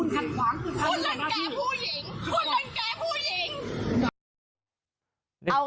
คุณหลังกายผู้หญิง